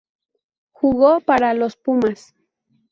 Jugó para los Pumas.